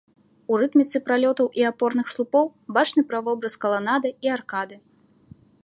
У рытміцы пралётаў і апорных слупоў бачны правобраз каланады і аркады.